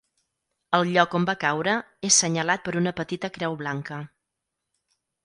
El lloc on va caure és senyalat per una petita creu blanca.